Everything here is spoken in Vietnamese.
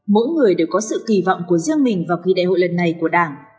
mỗi người đều có sự kỳ vọng của riêng mình vào kỳ đại hội lần này của đảng